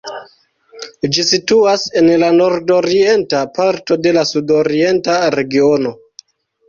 Ĝi situas en la nordorienta parto de la sudorienta regiono.